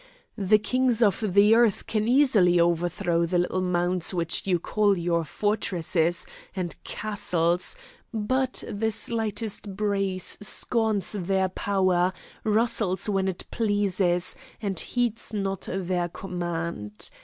The kings of the earth can easily overthrow the little mounds which you call your fortresses and castles, but the slightest breeze scorns their power, rustles when its pleases, and heeds not their command.